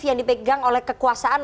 yang dipegang oleh kekuasaan